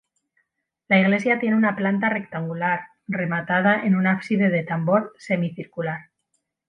La iglesia tiene una planta rectangular rematada en un ábside de tambor, semicircular.